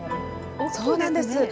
そうなんです。